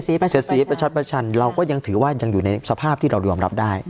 เสียสีประชันประชันเราก็ยังถือว่ายังอยู่ในสภาพที่เรายอมรับได้